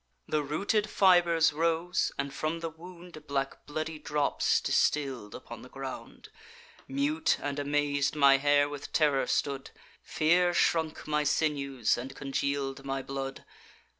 The rooted fibers rose, and from the wound Black bloody drops distill'd upon the ground. Mute and amaz'd, my hair with terror stood; Fear shrunk my sinews, and congeal'd my blood.